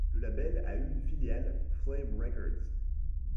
Le label a eu une filiale, Flame Records.